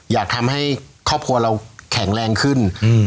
อยากทำให้ครอบครัวเราแข็งแรงขึ้น